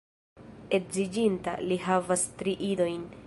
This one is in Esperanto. Edziĝinta, li havas tri idojn.